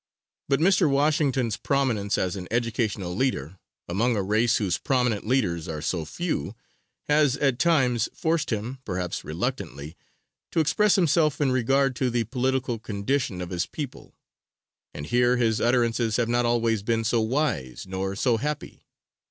But Mr. Washington's prominence as an educational leader, among a race whose prominent leaders are so few, has at times forced him, perhaps reluctantly, to express himself in regard to the political condition of his people, and here his utterances have not always been so wise nor so happy.